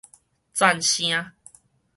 贊聲